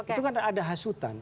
itu kan ada hasutan